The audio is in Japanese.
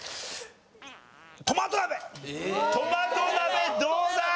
トマト鍋どうだ？